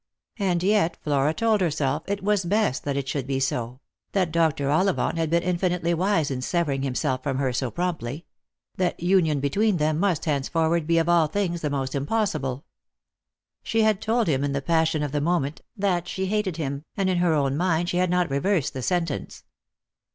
And yet Flora told herself it was best that it should be so ; that Dr. Ollivant had been infinitely wise in severing himself from her so promptly ; that union between them must henceforward be of all things the most impossible. She had told him in the passion of the moment that she hated him, and in her own mind she had not reversed the sentence.